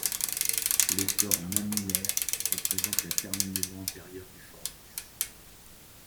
Les corps mammilaires représentent la terminaison antérieure du fornix.